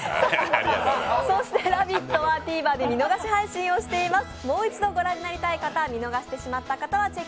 そして「ラヴィット！」はＴＶｅｒで見逃し配信しています。